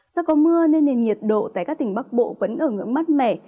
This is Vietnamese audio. do có mưa nên nền nhiệt độ tại các tỉnh bắc bộ vẫn ở ngưỡng mát mẻ